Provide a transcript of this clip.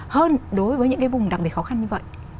hơn đối với những cái vùng đặc biệt khó khăn như vậy